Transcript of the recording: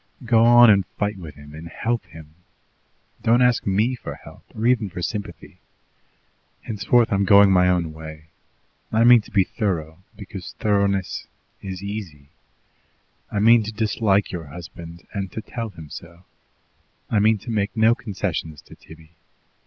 Go on and fight with him and help him. Don't ask ME for help, or even for sympathy. Henceforward I'm going my own way. I mean to be thorough, because thoroughness is easy. I mean to dislike your husband, and to tell him so. I mean to make no concessions to Tibby.